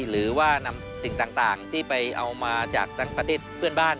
หรือว่านำสิ่งต่างที่ไปเอามาจากประเทศเพื่อนบ้าน